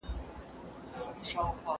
له وړوکتوبه د ليکلو او مطالعې شوق لرم.